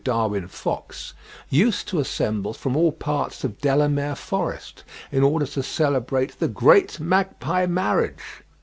Darwin Fox, used to assemble from all parts of Delamere Forest, in order to celebrate the "great magpie marriage."